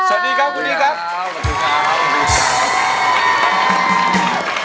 สวัสดีครับคุณนิ๊กครับ